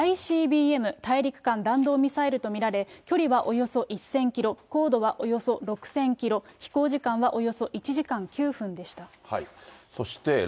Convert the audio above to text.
ＩＣＢＭ・大陸間弾道ミサイルと見られ、距離はおよそ１０００キロ、高度はおよそ６０００キロ、飛行時間はおよそ１時間９分でした。